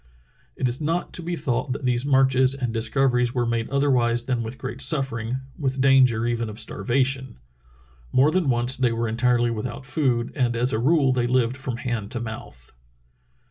It is not to be thought that these marches and dis coveries were made otherwise than with great suffer Schwatka's Summer Search 319 ing, with danger even of starvation. More than once they were entirely without food, and as a rule they lived from hand to mouth.